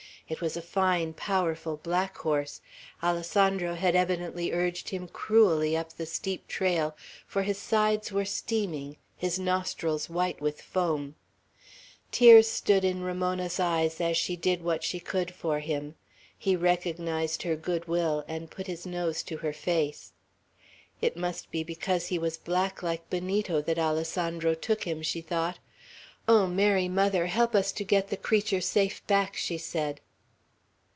It was a fine, powerful black horse; Alessandro had evidently urged him cruelly up the steep trail, for his sides were steaming, his nostrils white with foam. Tears stood in Ramona's eyes as she did what she could for him. He recognized her good will, and put his nose to her face. "It must be because he was black like Benito, that Alessandro took him," she thought. "Oh, Mary Mother, help us to get the creature safe back!" she said.